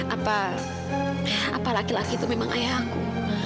apa laki laki itu memang ayah aku